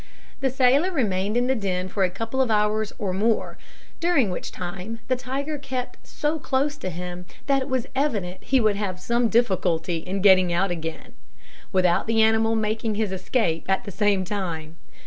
The sailor remained in the den for a couple of hours or more, during which time the tiger kept so close to him, that it was evident he would have some difficulty in getting out again, without the animal making his escape at the same time.